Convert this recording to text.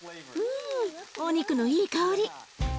うんお肉のいい香り。